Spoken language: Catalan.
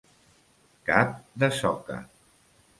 Cap de soca.